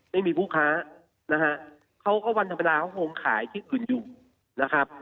ไม่มีผู้ค้านะฮะเขาก็วันธรรมดาเขาคงขายที่อื่นอยู่นะครับ